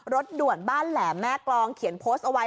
รถด่วนบ้านแหลมแม่กรองเขียนโพสต์เอาไว้